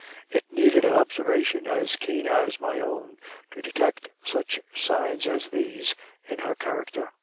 It needed an observation as keen as my own to detect such signs as these in her character.